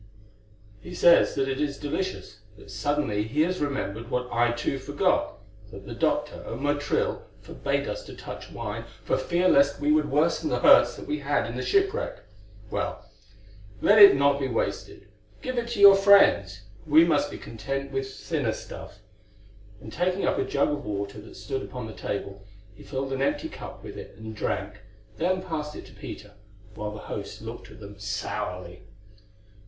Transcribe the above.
"He says that it is delicious, but suddenly he has remembered what I too forgot, that the doctor at Motril forbade us to touch wine for fear lest we should worsen the hurts that we had in the shipwreck. Well, let it not be wasted. Give it to your friends. We must be content with thinner stuff." And taking up a jug of water that stood upon the table, he filled an empty cup with it and drank, then passed it to Peter, while the host looked at them sourly.